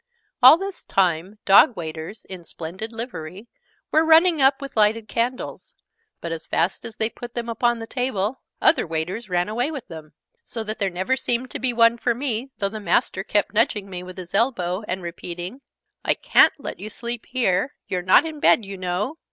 All this time Dog waiters, in splendid livery, were running up with lighted candles: but, as fast as they put them upon the table, other waiters ran away with them, so that there never seemed to be one for me, though the Master kept nudging me with his elbow, and repeating, "I ca'n't let you sleep here! You're not in bed, you know!"